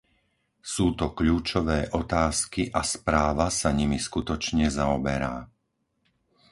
Sú to kľúčové otázky a správa sa nimi skutočne zaoberá.